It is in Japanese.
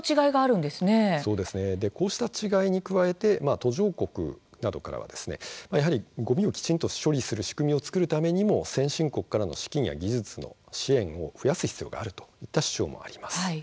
こうした違いに加えて途上国などからはごみ処理の仕組みをちゃんと作るためにも先進国からの資金や技術の支援を増やす必要があるという主張もあります。